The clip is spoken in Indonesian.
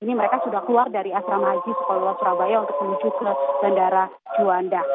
ini mereka sudah keluar dari asrama haji sukolo surabaya untuk menuju ke bandara juanda